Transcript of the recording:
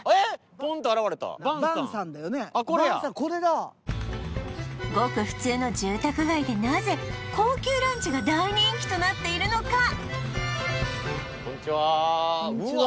ポンと現れたあっこれやこれだごく普通の住宅街でなぜ高級ランチが大人気となっているのかこんにちはこんにちは